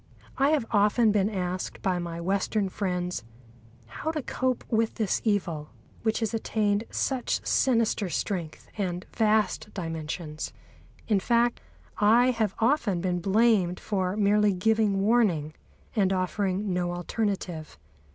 I have often been asked by my Western friends how to cope with this evil, which has attained such sinister strength and vast dimensions. In fact, I have often been blamed for merely giving warning, and offering no alternative.